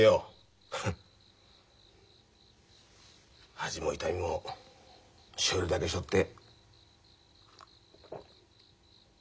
恥も痛みもしょえるだけしょって。